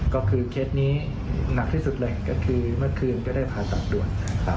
ก็คือเคสนี้หนักที่สุดเลยก็คือเมื่อคืนก็ได้ผ่าตัดด่วนนะครับ